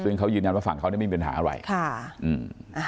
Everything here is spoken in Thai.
ซึ่งเขายืนยันว่าฝั่งเขาเนี่ยไม่มีปัญหาอะไรค่ะอืม